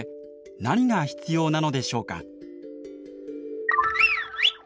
何が必要なのでしょうか？